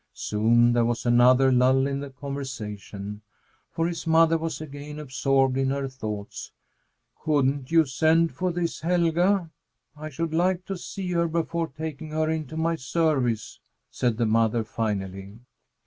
Soon there was another lull in the conversation, for his mother was again absorbed in her thoughts. "Couldn't you send for this Helga? I should like to see her before taking her into my service," said the mother finally.